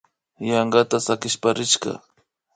Yankata sakishpa rishka